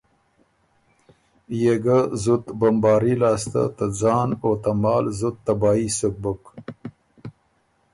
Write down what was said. يې ګۀ زُت سخت بمباري لاسته ته ځان او ته مال زُت تبايي سُک بُک۔